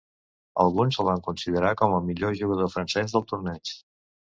Alguns el van considerar com el millor jugador francès del Torneig.